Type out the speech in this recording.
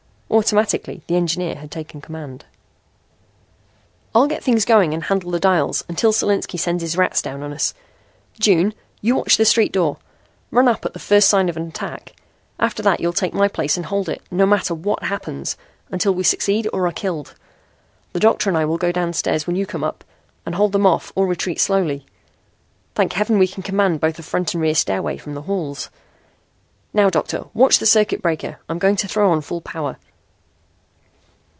Automatically the engineer had taken command. "I'll get things going and handle the dials until Solinski sends his rats down on us. June, you watch the street door. Run up at the first sign of an attack. After that you'll take my place and hold it, no matter what happens, until we succeed or are killed. The doctor and I will go downstairs when you come up, and hold them off or retreat slowly. Thank heaven we can command both the front and rear stairways from the halls. Now doctor, watch the circuit breaker. I'm going to throw on full power."